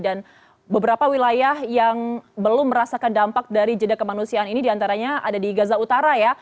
dan beberapa wilayah yang belum merasakan dampak dari jeda kemanusiaan ini diantaranya ada di gaza utara ya